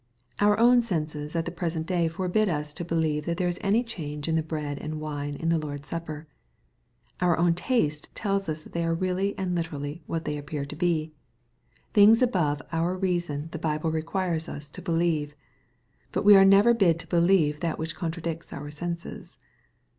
Our own senses at the present day forbid us to be^ lieve that there is any change in the bread and wine in the Lord's Supper. Our own taste tells us that they are really and literally what they appear to be. Things above our reason the Bible requires us to believe. But we are never bid to believe that which contradicts our senses.